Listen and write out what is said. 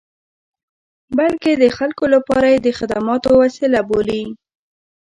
بلکې د خلکو لپاره یې د خدماتو وسیله بولي.